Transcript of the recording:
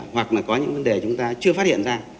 hoặc là có những vấn đề chúng ta chưa phát hiện ra